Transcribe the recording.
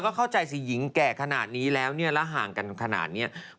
คือตัวเข้าใจสิหญิงแก่ขนาดนี้แล้วเนี่ยระหางกันขนาดเนี่ย